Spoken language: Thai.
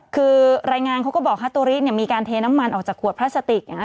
คือรายงานเขาก็บอกฮัตโตริ